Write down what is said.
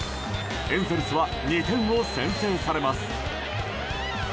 エンゼルスは２点を先制されます。